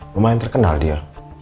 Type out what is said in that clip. lumayan terkenal dia